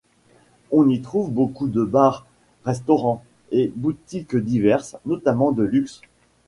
On y trouve beaucoup de bars, restaurants, et boutiques diverses, notamment de luxe.